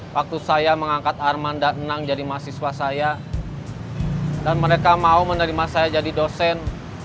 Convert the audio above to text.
waktu saya mengangkat armanda enang jadi mahasiswa saya dan mereka mau menerima saya jadi dosen